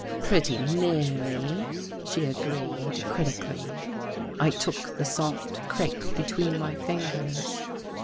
"Pretty nearly," she agreed, critically. I took the soft crepe between my fingers.